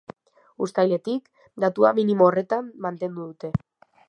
Uztailetik, datua minimo horretan mantendu dute.